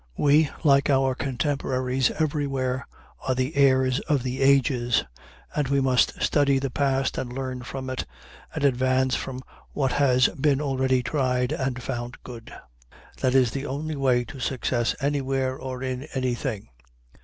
We, like our contemporaries everywhere, are the heirs of the ages, and we must study the past, and learn from it, and advance from what has been already tried and found good. That is the only way to success anywhere, or in anything.